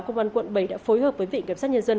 công an quận bảy đã phối hợp với vịnh kiểm soát nhân dân